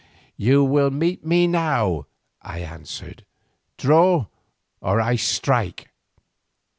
"You will meet me now," I answered. "Draw or I strike!"